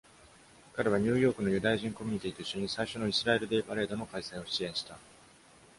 彼はニューヨークのユダヤ人コミュニティと一緒に、最初のイスラエル・デー・パレードの開催を支援した。